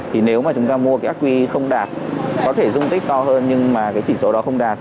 thì nếu mà chúng ta mua cái ác quy không đạt có thể dung tích cao hơn nhưng mà cái chỉ số đó không đạt